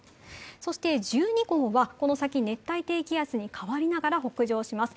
そして１２号はこの先、熱帯低気圧に変わりながら北上します。